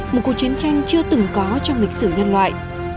một cuộc chiến tranh chưa từng có trong lịch sử nhân loại